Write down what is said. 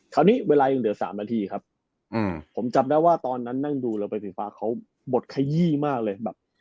คราวนี้เวลายังเดียว๓นาทีครับผมจำได้ว่าตอนนั้นนั่งดูละไปถึงฟ้าเขาบดขยี้มากเลย